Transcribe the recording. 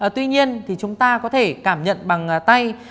tuy nhiên chúng ta có thể cảm nhận bằng tay